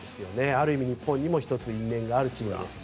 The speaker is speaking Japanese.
ある意味、日本にも１つ因縁があるチームです。